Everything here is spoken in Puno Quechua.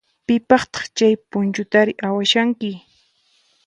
Pipaqtaq chay punchutari awashanki?